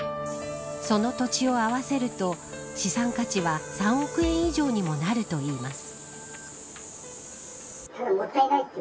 その土地を合わせると資産価値は３億円以上にもなるといいます。